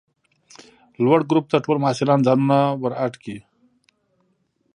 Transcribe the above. لوړ ګروپ ته ټوله محصلان ځانونه ور اډ کئ!